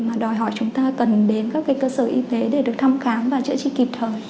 mà đòi hỏi chúng ta cần đến các cơ sở y tế để được thăm khám và chữa trị kịp thời